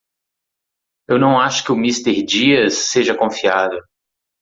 Eu não acho que o Mister Diaz seja confiável.